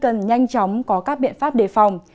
người dân cần nhanh chóng có các biện pháp đề phòng